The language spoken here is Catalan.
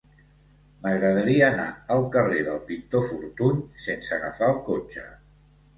M'agradaria anar al carrer del Pintor Fortuny sense agafar el cotxe.